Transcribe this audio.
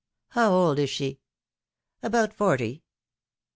How old is she?^^ ''About forty.